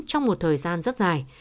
trong một thời gian rất dài